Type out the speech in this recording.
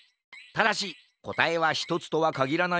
ただしこたえはひとつとはかぎらない